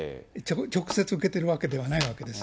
直接受け取るわけではないわけです。